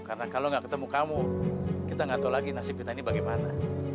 karena kalau gak ketemu kamu kita gak tau lagi nasib kita ini bagaimana